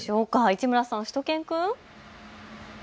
市村さん、しゅと犬くん。